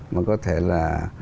mà có thể là